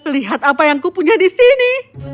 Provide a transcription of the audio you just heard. lihat apa yang kupunya di sini